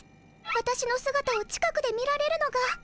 わたしのすがたを近くで見られるのが。